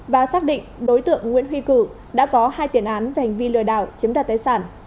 và xác định đối tượng nguyễn huy cử đã có hai tiền án về hành vi lừa đảo chiếm đoạt tài sản